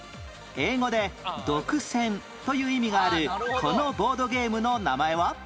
英語で「独占」という意味があるこのボードゲームの名前は？